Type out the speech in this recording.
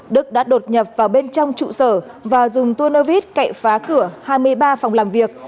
đức đã đột nhập vào bên trong trụ sở và dùng tuôn nơ vít cậy phá cửa hai mươi ba phòng làm việc